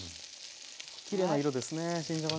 きれいな色ですね新じゃがね。